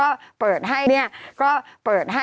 จำกัดจำนวนได้ไม่เกิน๕๐๐คนนะคะ